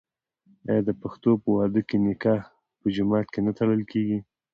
آیا د پښتنو په واده کې نکاح په جومات کې نه تړل کیږي؟